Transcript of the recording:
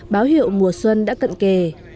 báo hiệu mùa xuân đã cận kề